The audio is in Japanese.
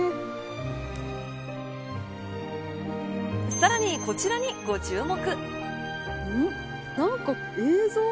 さらに、こちらにご注目。